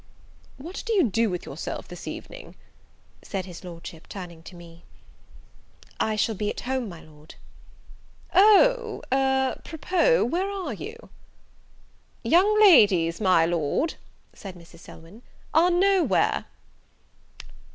"What do you do with yourself this evening?" said his Lordship, turning to me. "I shall be at home, my Lord." "O, e; propos, where are you?" "Young ladies, my Lord," said Mrs. Selwyn, "are no where."